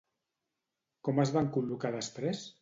Com es van col·locar després?